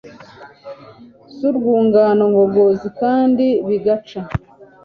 z’urwungano ngogozi kandi bigaca